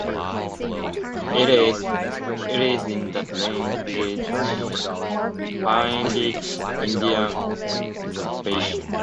It is in the Pine Ridge Indian Reservation.